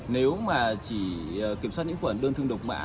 nếu mà chỉ kiểm soát những khuẩn đơn thương độc mã